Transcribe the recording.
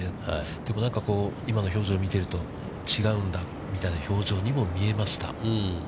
でも、今の表情を見ていると、違うんだみたいな表情にも見えました。